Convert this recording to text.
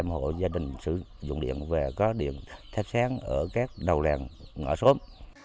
một trăm hộ gia đình sử dụng điện và có điện thép sáng ở các đầu làng ngõ xóm